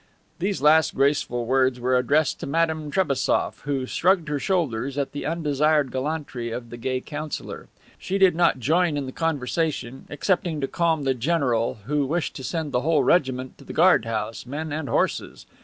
] These last graceful words were addressed to Madame Trebassof, who shrugged her shoulders at the undesired gallantry of the gay Councilor. She did not join in the conversation, excepting to calm the general, who wished to send the whole regiment to the guard house, men and horses.